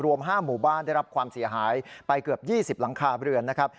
รวม๕หมู่บ้านได้รับความเสียหายไปเกือบ๒๐หลังคาเรือนนะครับ